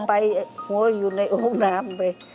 ขมมไปหัวอยู่ในโอ่งน้ำไป